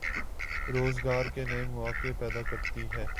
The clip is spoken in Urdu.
روزگار کے نئے مواقع پیدا کرتی ہے۔